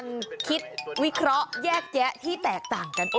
วิเคราะห์แยกแยะที่แตกต่างกัน